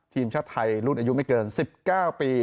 ทีมชาติไทยรุ่นอายุไม่เกิน๑๙ปี